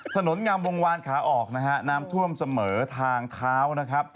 ถนนงามวงวานขาออกน้ำท่วมเสมอทางเท้า